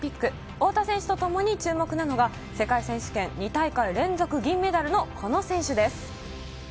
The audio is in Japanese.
太田選手とともに注目なのが世界選手権２大会連続銀メダルのこの選手です。